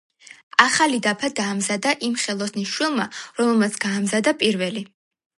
ახალი დაფა დაამზადა იმ ხელოსნის შვილმა, რომელმაც გაამზადა პირველი.